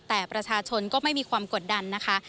แต่ประชาชนก็ไม่มีความกดดันนะคะ